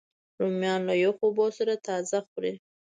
رومیان له یخو اوبو سره تازه خوري